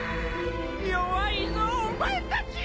弱いぞお前たち！